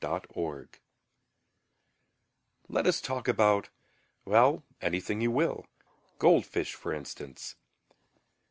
Goldfish Let us talk aboutŌĆöwell, anything you will. Goldfish, for instance.